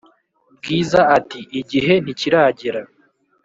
bwiza ati"igihe ntikiragera